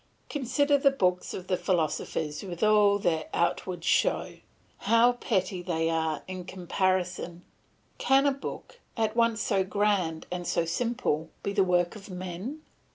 Consider the books of the philosophers with all their outward show; how petty they are in comparison! Can a book at once so grand and so simple be the work of men?